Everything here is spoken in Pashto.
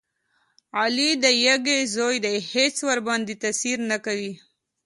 علي د یږې زوی دی هېڅ ورباندې تاثیر نه کوي.